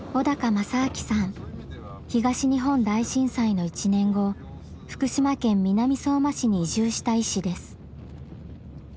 東日本大震災の１年後福島県南相馬市に移住した医師です。